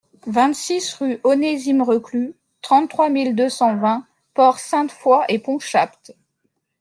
vingt-six rue Onésime Reclus, trente-trois mille deux cent vingt Port-Sainte-Foy-et-Ponchapt